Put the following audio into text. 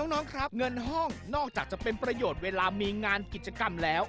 น้องครับเงินห้องนอกจากจะเป็นประโยชน์เวลามีงานกิจกรรมแล้ว